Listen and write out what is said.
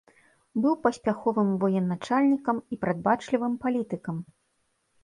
Быў паспяховым военачальнікам і прадбачлівым палітыкам.